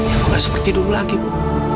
ibu tidak seperti dulu lagi ibu